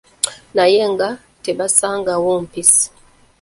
Naye nga tebasangawo mpisi.